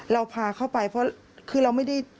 เราพาเข้าไปเพราะคือเราไม่ได้